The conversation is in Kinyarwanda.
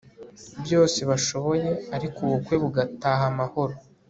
byose bashoboye ariko ubukwe bugataha amahoro